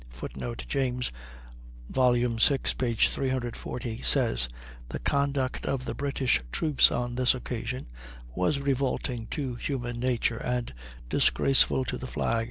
[Footnote: James (vi, 340) says: The conduct of the British troops on this occasion was "revolting to human nature" and "disgraceful to the flag."